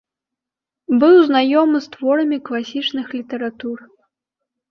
Быў знаёмы з творамі класічных літаратур.